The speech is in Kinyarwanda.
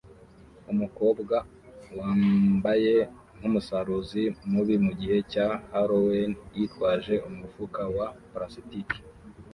Umukobwa wambaye nkumusaruzi mubi mugihe cya Halloween yitwaje umufuka wa plastiki